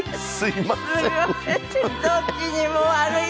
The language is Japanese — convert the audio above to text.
どっちにも悪い。